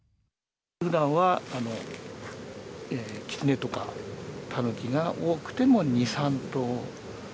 ふだんは、キツネとかタヌキが、多くても２、３頭。